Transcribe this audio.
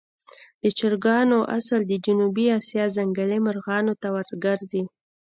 د چرګانو اصل د جنوبي آسیا ځنګلي مرغانو ته ورګرځي.